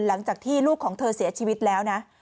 หลังจากที่ลูกของเธอเสียชีวิตแล้วนะ